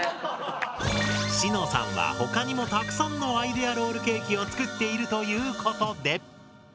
しのさんは他にもたくさんのアイデアロールケーキを作っているということで。